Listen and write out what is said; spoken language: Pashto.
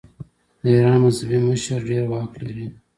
د ایران مذهبي مشر ډیر واک لري.